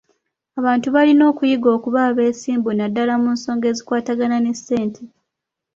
Abantu balina okuyiga okuba abeesimbu naddaala mu nsonga ezikwatagana ne ssente.